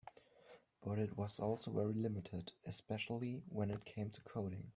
But it was also very limited, especially when it came to coding.